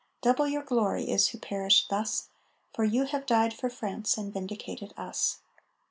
Double your glory is who perished thus, For you have died for France and vindicated us.